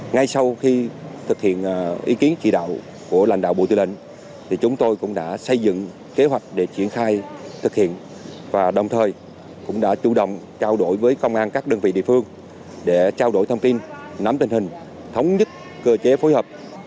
ngay sau khi thực hiện ý kiến chỉ đạo của lãnh đạo bộ tư lệnh chúng tôi cũng đã xây dựng kế hoạch để triển khai thực hiện và đồng thời cũng đã chủ động trao đổi với công an các đơn vị địa phương để trao đổi thông tin nắm tình hình thống nhất cơ chế phối hợp